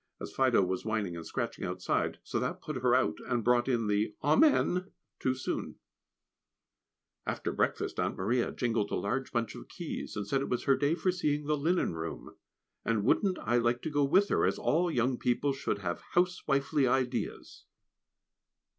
as Fido was whining and scratching outside, so that put her out and brought in the "Amen" too soon. [Sidenote: Family Prayers] After breakfast Aunt Maria jingled a large bunch of keys and said it was her day for seeing the linen room, and wouldn't I like to go with her, as all young people should have "house wifely" ideas?